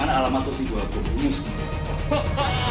mana alam aku sih aku bunuh sendiri